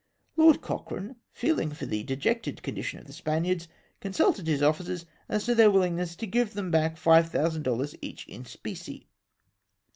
Lord Cochrane, feeling for the dejected condition of the Spaniards, consulted his officers as to their willingness to give them back 5,000 dollars each in specie.